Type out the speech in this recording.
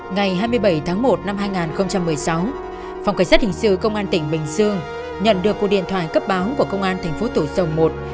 ngày hai mươi bảy tháng một năm hai nghìn một mươi sáu phòng cảnh sát hình sự công an tỉnh bình dương nhận được cuộc điện thoại cấp báo của công an tp thủ dầu một